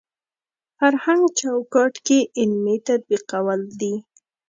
فرهنګ چوکاټ کې عملي تطبیقول دي.